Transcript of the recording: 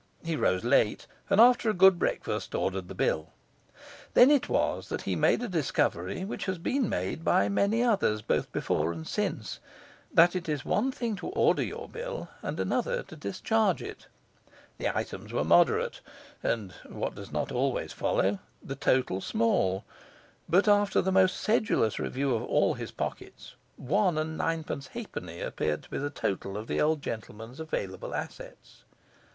He rose late, and, after a good breakfast, ordered the bill. Then it was that he made a discovery which has been made by many others, both before and since: that it is one thing to order your bill, and another to discharge it. The items were moderate and (what does not always follow) the total small; but, after the most sedulous review of all his pockets, one and nine pence halfpenny appeared to be the total of the old gentleman's available assets.